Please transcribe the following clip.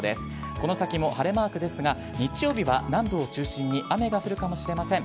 この先も晴れマークですが、日曜日は南部を中心に雨が降るかもしれません。